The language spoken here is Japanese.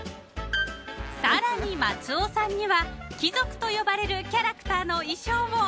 ［さらに松尾さんには貴族と呼ばれるキャラクターの衣装を］